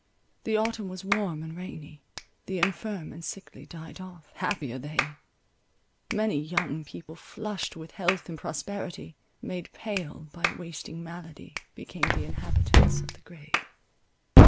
The autumn was warm and rainy: the infirm and sickly died off—happier they: many young people flushed with health and prosperity, made pale by wasting malady, became the inhabitants of the grave.